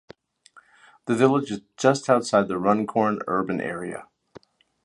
The village is just outside the Runcorn urban area.